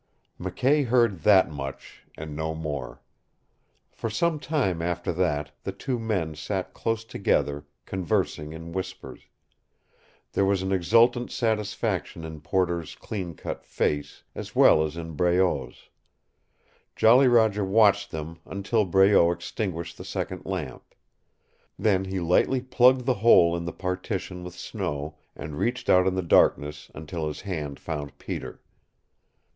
McKay heard that much and no more. For some time after that the two men sat close together, conversing in whispers. There was an exultant satisfaction in Porter's clean cut face, as well as in Breault's. Jolly Roger watched them until Breault extinguished the second lamp. Then he lightly plugged the hole in the partition with snow, and reached out in the darkness until his hand found Peter.